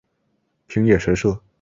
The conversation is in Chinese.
平野神社。